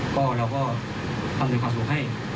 ก็เราก็ต้องทำโดยความสมบัติให้